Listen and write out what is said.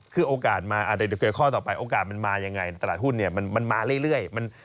คือโอกาสมาเดี๋ยวเกิดข้อต่อไปโอกาสมันมายังไงตลาดหุ้นเนี่ยมันมาเรื่อย